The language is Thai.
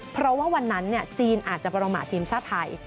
เพราะว่าวันนั้นจีนอาจจะประมาททีมชาติไทย